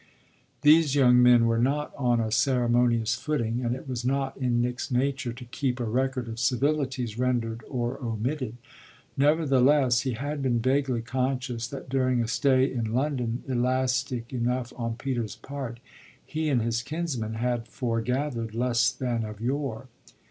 These young men were not on a ceremonious footing and it was not in Nick's nature to keep a record of civilities rendered or omitted; nevertheless he had been vaguely conscious that during a stay in London elastic enough on Peter's part he and his kinsman had foregathered less than of yore.